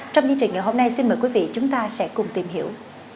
trong chương trình ngày hôm nay xin mời quý vị chúng ta sẽ cùng tìm hiểu